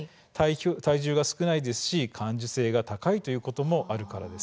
体重が少ないですし感受性が高いということもあるからです。